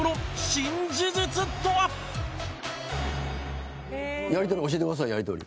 中居：やり取り教えてくださいやり取り。